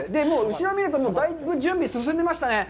後ろを見ると、だいぶ準備進んでましたね。